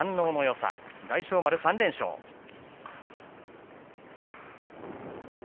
さ大翔丸３連勝です。